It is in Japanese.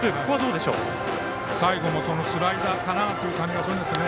最後もスライダーかなという感じがしますが。